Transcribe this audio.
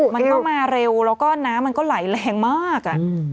มันก็มาเร็วแล้วก็น้ำมันก็ไหลแรงมาก